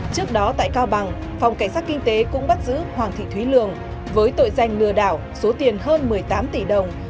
trước đó tại cao bằng phòng cảnh sát kinh tế cũng bắt giữ hoàng thị thúy lường với tội danh lừa đảo số tiền hơn một mươi tám tỷ đồng